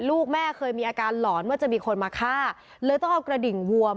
ลูกแม่เคยมีอาการหลอนว่าจะมีคนมาฆ่าเลยต้องเอากระดิ่งวม